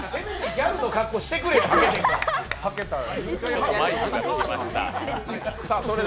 ギャルの格好してくれよ、はけたら。